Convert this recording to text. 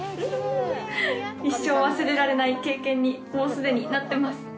一生忘れられない経験にもう既になってます。